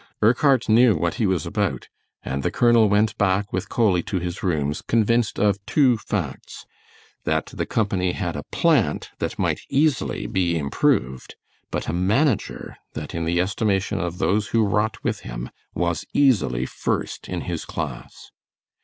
Urquhart knew what he was about, and the colonel went back with Coley to his rooms convinced of two facts, that the company had a plant that might easily be improved, but a manager that, in the estimation of those who wrought with him, was easily first in his class.